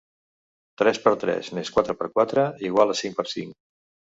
Tres per tres més quatre per quatre igual a cinc per cinc.